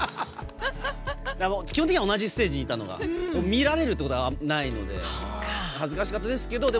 基本的には同じステージにいて見られることはなかったので恥ずかしかったんですけど。